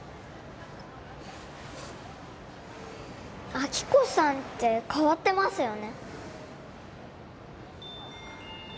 亜希子さんって変わってますよね